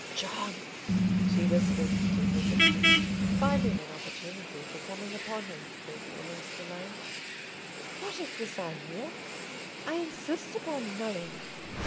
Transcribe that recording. "John," she whispered to her victim, finding an opportunity for coming upon him when almost alone, "what is this I hear? I insist upon knowing.